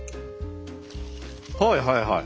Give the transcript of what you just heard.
はいはいはい。